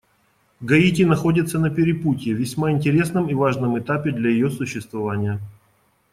Гаити находится на перепутье — весьма интересном и важном этапе для ее существования.